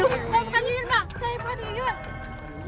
aku atau kau akan berpengaruh